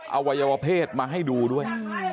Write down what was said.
อวัยวเพศมาให้ดูด้วย